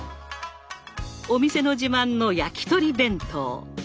お店の自慢の焼き鳥弁当。